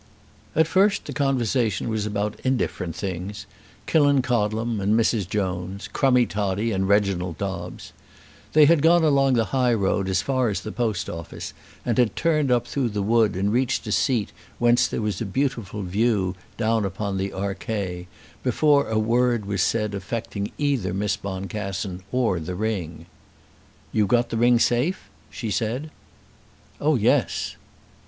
At first the conversation was about indifferent things, Killancodlem and Mrs. Jones, Crummie Toddie and Reginald Dobbes. They had gone along the high road as far as the post office, and had turned up through the wood and reached a seat whence there was a beautiful view down upon the Archay, before a word was said affecting either Miss Boncassen or the ring. "You got the ring safe?" she said. "Oh yes."